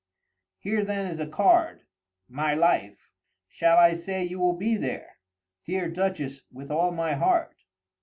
"Here then is a card, my life. Shall I say you will be there?" "Dear Duchess, with all my heart."